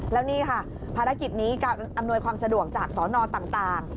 แล้วนี่ค่ะภารกิจนี้การอำนวยความสะดวกจากสนต่าง